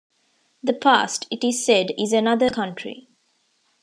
The past, it is said, is another country.